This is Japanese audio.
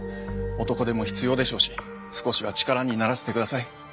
男手も必要でしょうし少しは力にならせてください。